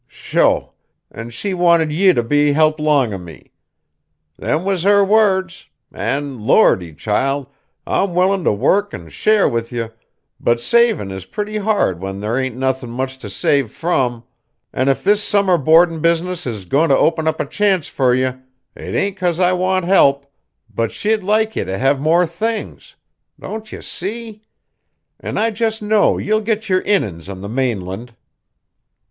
Sho! An' she wanted ye to be a help long o' me. Them was her words. An' Lordy! child, I'm willin' t' work an' share with ye but savin' is pretty hard when there ain't nothin' much t' save from, an' if this summer boardin' business is goin' t' open up a chance fur ye, it ain't cause I want help, but she'd like ye t' have more things. Don't ye see? An' I jest know ye'll get yer innin's on the mainland."